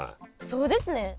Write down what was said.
そうですね。